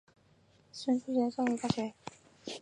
西三一大学是加拿大最大的私人资助的基督教大学。